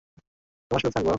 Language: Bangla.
তোমার সাথে থাকবো।